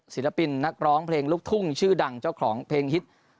ศิลปินนักร้องเพลงลูกทุ่งชื่อดังเจ้าของเพลงฮิต